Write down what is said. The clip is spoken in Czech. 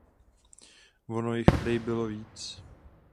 Vono jich prej bylo víc.